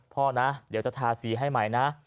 พ่อนะเดี๋ยวจะทาสีให้ใหม่นะ